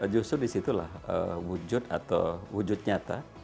justru disitulah wujud atau wujud nyata